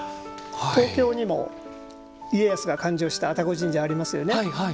東京にも家康が勧請した愛宕神社がありますよね。